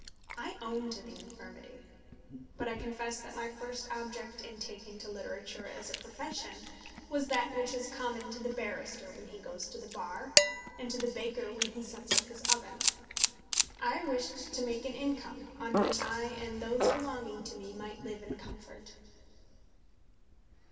I own to the infirmity. But I confess that my first object in taking to literature as a profession was that which is common to the barrister when he goes to the Bar, and to the baker when he sets up his oven. I wished to make an income on which I and those belonging to me might live in comfort.